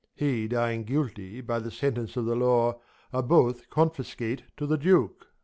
He dying guilty by the sentence of The law, ai'e both confiscate to the Duke.